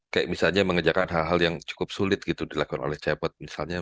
kayak misalnya mengejarkan hal hal yang cukup sulit gitu dilakukan oleh chatbot